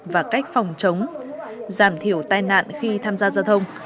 và cách phòng chống giảm thiểu tai nạn khi tham gia giao thông